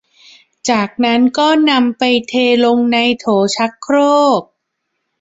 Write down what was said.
จากนั้นก็นำไปเทลงในโถชักโครก